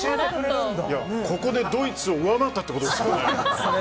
ここでドイツを上回ったってことですよね。